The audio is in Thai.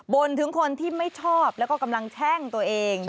ถึงคนที่ไม่ชอบแล้วก็กำลังแช่งตัวเอง